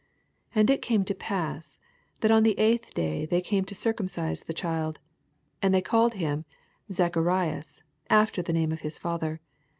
59 And it came to pass, that on the eighth day they came to circumcise the child ; and they called him Zach arias, after the name of his father.